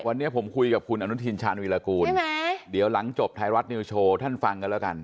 วันนี้ผมคุยกับคุณอนุทินชาญวิรากูลเดี๋ยวหลังจบไทยรัฐนิวโชว์ท่านฟังกันแล้วกัน